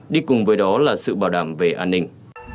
đi cùng với đó là sự bảo đảm về an ninh